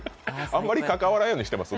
あんまり関わらんようにしてます？